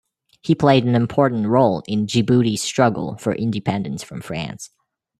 He played an important role in Djibouti's struggle for independence from France.